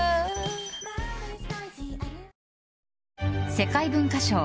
世界文化賞